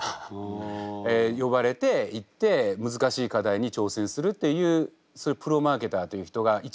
呼ばれて行って難しい課題に挑戦するというそういうプロマーケターという人が一部います。